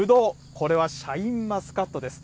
これはシャインマスカットです。